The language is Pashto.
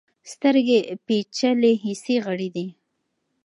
سترګې پیچلي حسي غړي دي.